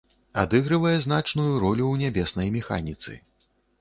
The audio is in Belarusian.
Адыгрывае значную ролю ў нябеснай механіцы.